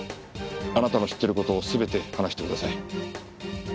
あなたの知っている事を全て話してください。